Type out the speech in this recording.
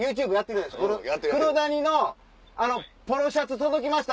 くろだ煮のポロシャツ届きました